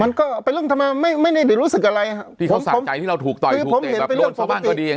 มันก็เป็นเรื่องธรรมดาไม่ได้รู้สึกอะไร